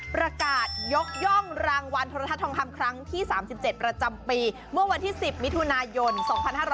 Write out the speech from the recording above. ประกาศยกย่องรางวัลโทรทัศนทองคำครั้งที่๓๗ประจำปีเมื่อวันที่๑๐มิถุนายน๒๕๕๙